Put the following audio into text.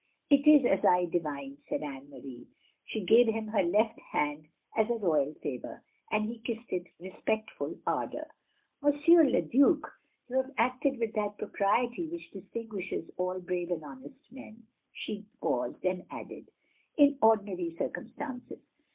"It is as I divined," said Anne Marie: she gave him her left hand as a royal favour, and he kissed it with respectful ardour. "Monsieur le Due, you have acted with that propriety which distinguishes all brave and honest men," — she paused, and added — "in ordinary circumstances.